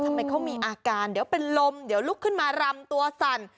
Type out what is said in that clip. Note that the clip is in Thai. ทำไมเขามีอาการเดี๋ยวเป็นลมเดี๋ยวลุกขึ้นมารำตัวสั่น